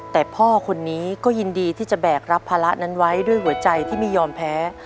แต่พ่อคนนี้ก็ยินดีที่จะแบกรับภาระนั้นไว้ด้วยหัวใจที่ไม่ยอมแพ้